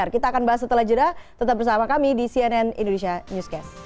kita akan bahas setelah jeda tetap bersama kami di cnn indonesia newscast